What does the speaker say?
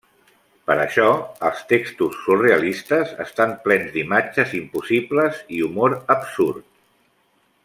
Per això els textos surrealistes estan plens d'imatges impossibles i humor absurd.